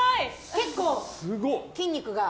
結構、筋肉が。